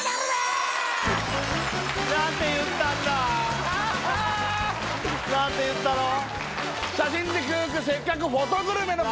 何て言ったんだ？の